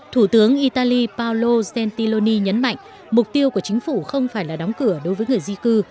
thủ tướng italy paolo centiloni nhấn mạnh mục tiêu của chính phủ không phải là đóng cửa đối với người di cư